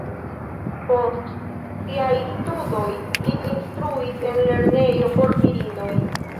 Post siaj studoj li instruis en lernejo por virinoj.